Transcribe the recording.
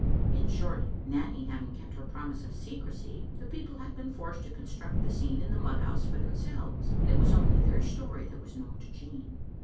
In short, Nanny having kept her promise of secrecy, the people had been forced to construct the scene in the mud house for themselves, and it was only their story that was known to Jean.